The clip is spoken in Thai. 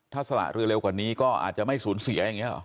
ถ้าสละเรือเร็วกว่านี้ก็อาจจะไม่สูญเสียอย่างนี้หรอ